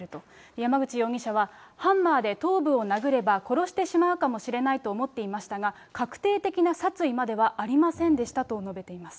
山口容疑者は、ハンマーで頭部を殴れば殺してしまうかもしれないと思っていましたが、確定的な殺意まではありませんでしたと述べています。